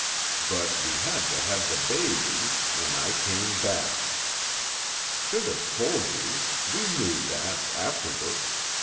But we had to have the baby, an' I came back. Should have told you. We knew that afterward.